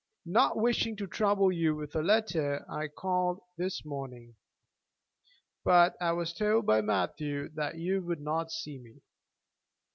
Not wishing to trouble you with a letter I called this morning, but I was told by Matthew that you would not see me.